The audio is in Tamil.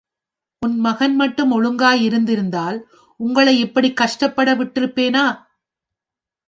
உன் மகன் மட்டும் ஒழுங்காய் இருந்திருந்தால் உங்களை இப்படிக் கஷ்டப் பட விட்டிருப்பேனா?